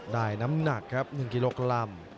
น้ำหนักครับ๑กิโลกรัม